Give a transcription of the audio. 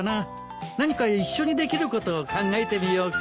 何か一緒にできることを考えてみようか。